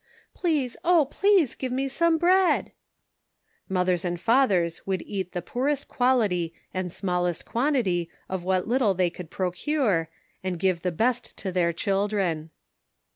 Please, oh, please give me some bread !" Mothers and fathers would eat the poorest quality and smallest quantity of what little they could procure, and give the best to their children.